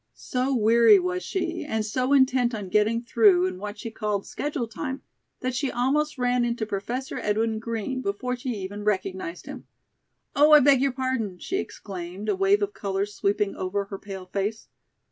So weary was she and so intent on getting through in what she called "schedule time," that she almost ran into Professor Edwin Green before she even recognized him. "Oh, I beg your pardon," she exclaimed, a wave of color sweeping over her pale face.